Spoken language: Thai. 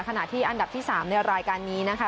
ขณะที่อันดับที่๓ในรายการนี้นะคะ